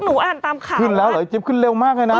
อ่านตามข่าวขึ้นแล้วเหรอไอจิ๊บขึ้นเร็วมากเลยนะ